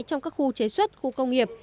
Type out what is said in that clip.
trong các khu chế xuất khu công nghiệp